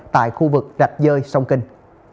trên tuyến rạch dơi sông kinh